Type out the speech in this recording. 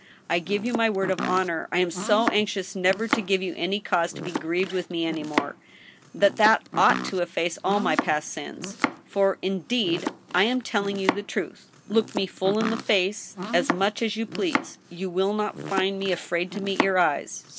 I give you my word oi honor, I am so anxious never to give you any cause to be grieved with me any more, that that ought to efface all my past sins. For, indeed, I am telling you the truth. Look me full in the face as much as you please, you will not find me afraid to meet your eyes.